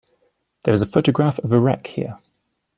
There is a photograph of the Rec here.